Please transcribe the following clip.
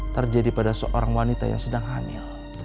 terjadi pada seorang wanita yang sedang hamil